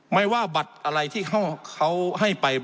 ไม่ว่าบัตรอะไรที่เขาให้ไป